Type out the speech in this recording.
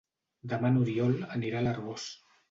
Demà n'Oriol anirà a l'Arboç.